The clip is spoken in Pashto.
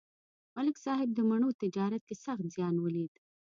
ملک صاحب د مڼو تجارت کې سخت زیان ولید.